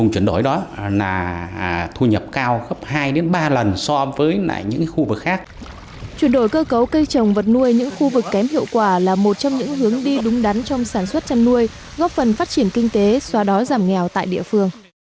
chuyển đổi cơ cấu cây trồng vật nuôi những khu vực kém hiệu quả là một trong những hướng đi đúng đắn trong sản xuất chăn nuôi góp phần phát triển kinh tế xóa đói giảm nghèo tại địa phương